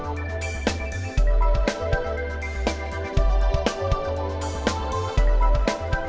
yang mmatanya di punk persons do expanded dan selain apa terjadi dll